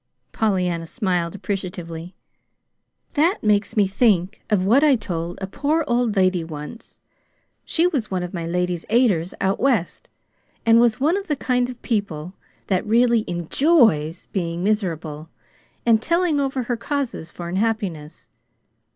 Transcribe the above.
Pollyanna smiled appreciatively. "That makes me think of what I told a poor old lady once. She was one of my Ladies' Aiders out West, and was one of the kind of people that really ENJOYS being miserable and telling over her causes for unhappiness.